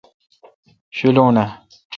شیلون اں۔